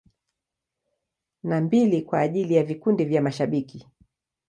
Na mbili kwa ajili ya vikundi vya mashabiki.